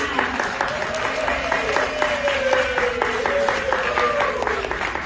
ขอบคุณภาพให้กับคุณผู้ฝ่าย